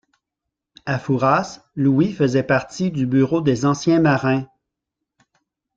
À Fouras, Louis faisait partie du bureau des anciens marins.